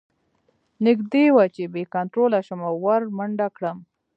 نږدې وه چې بې کنتروله شم او ور منډه کړم